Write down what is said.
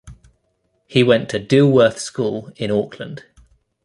He went to Dilworth School in Auckland.